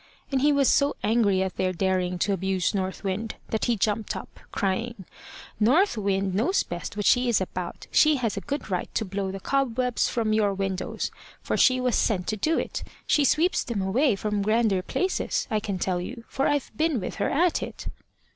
And he was so angry at their daring to abuse North Wind, that he jumped up, crying "North Wind knows best what she is about. She has a good right to blow the cobwebs from your windows, for she was sent to do it. She sweeps them away from grander places, I can tell you, for I've been with her at it."